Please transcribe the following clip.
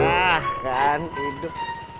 nah kan hidup